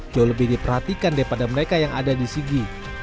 jauh lebih diperhatikan daripada mereka yang ada di sigi